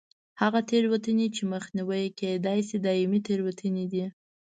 هغه تېروتنې چې مخنیوی یې کېدای شي دایمي تېروتنې دي.